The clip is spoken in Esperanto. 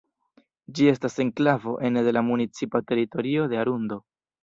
Ĝi estas enklavo ene de la municipa teritorio de Arundo.